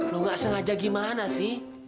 lo nggak sengaja gimana sih